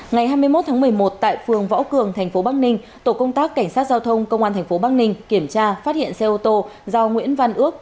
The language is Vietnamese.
ngày hai mươi một tháng một mươi một tại phường võ cường tp bắc ninh tổ công tác cảnh sát giao thông công an tp bắc ninh kiểm tra phát hiện xe ô tô do nguyễn văn ước